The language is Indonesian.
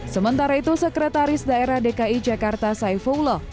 sementara itu sekretaris daerah dki jakarta saifullah